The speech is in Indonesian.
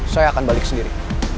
saya akan balik sendiri